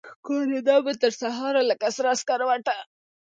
چي ښکاریده به ترسهاره لکه سره سکروټه